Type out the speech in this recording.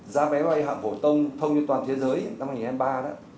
giá bay hạm phổ tông thông như toàn thế giới năm hai nghìn hai mươi ba đó